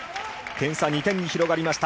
点差２点に広がりました。